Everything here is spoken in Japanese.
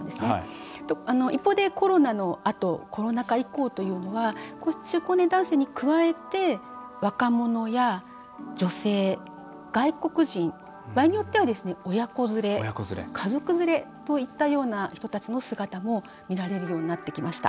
一方で、コロナのあとコロナ禍以降というのはこうした中高年男性に加えて若者や女性、外国人場合によっては、親子連れ家族連れといったような人たちの姿も見られるようになってきました。